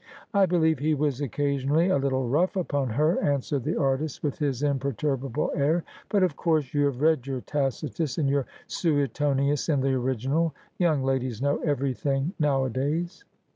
' I believe he was occasionally a little rough upon her,' an swered the artist with his imperturbable air. 'But of course you have read your Tacitus and your Suetonius in the original. Young ladies know everything nowadays.'